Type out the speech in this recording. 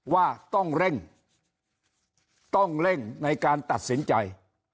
ว่าต้องเร่งต้องเร่งในการตัดสินใจ